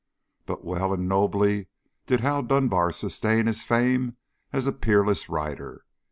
But well and nobly did Hal Dunbar sustain his fame as a peerless rider.